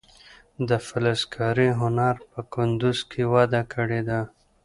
د فلزکارۍ هنر په کندز کې وده کړې ده.